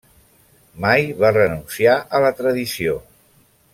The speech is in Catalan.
Mai va renunciar a la tradició.